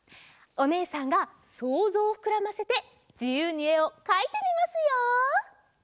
おねえさんがそうぞうをふくらませてじゆうにえをかいてみますよ！